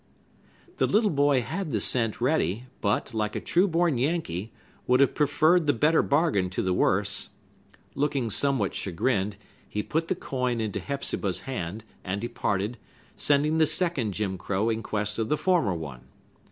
The little boy had the cent ready, but, like a true born Yankee, would have preferred the better bargain to the worse. Looking somewhat chagrined, he put the coin into Hepzibah's hand, and departed, sending the second Jim Crow in quest of the former one.